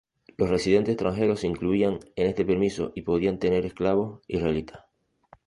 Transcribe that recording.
Los residentes extranjeros se incluían en este permiso y podían tener esclavos israelitas.